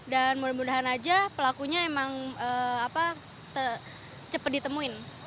dan mudah mudahan aja pelakunya emang cepet ditemuin